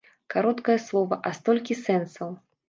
Кароткае слова, а столькі сэнсаў.